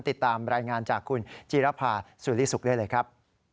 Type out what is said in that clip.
ติดตามรายงานจากคุณจีรภาสุริสุขได้เลยครับ